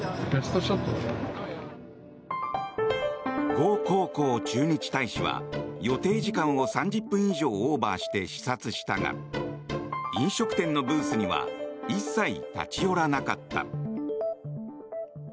ゴ・コウコウ駐日大使は予定時間を３０分以上オーバーして視察したが飲食店のブースには一切立ち寄らなかった。